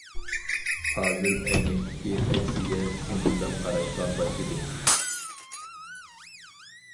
پازىل ئەينەكتىكى ئەكسىگە سىنچىلاپ قاراشقا باشلىدى.